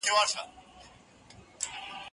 هغه وويل چي سبزېجات صحي دي!؟